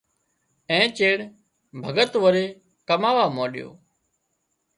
اين چيڙ ڀڳت وري ڪماوا مانڏيو